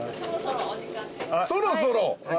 そろそろ！